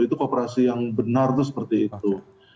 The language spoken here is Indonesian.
itu kooperasi yang benar itu seperti itu